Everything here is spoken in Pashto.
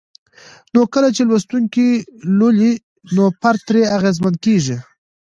نو کله چې لوستونکي لولي نو فرد ترې اغېزمن کيږي